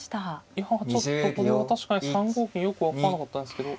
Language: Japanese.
いやちょっとこれは確かに３五銀よく分かんなかったんですけど。